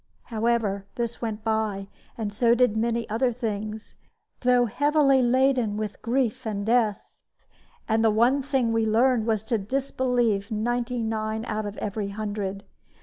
However, this went by, and so did many other things, though heavily laden with grief and death; and the one thing we learned was to disbelieve ninety nine out of every hundred.